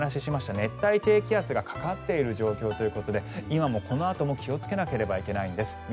熱帯低気圧がかかっている状況ということで今もこのあとも気をつけなければいけません。